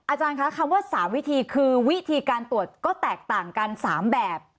อาจารย์คะคำว่า๓วิธีคือวิธีการตรวจก็แตกต่างกัน๓แบบ